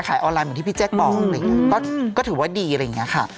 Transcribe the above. ขายออนไลน์เหมือนที่พี่แจ๊กบอกก็ถือว่าดีอะไรอย่างนี้ค่ะ